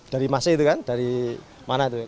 dari masa itu kan dari mana itu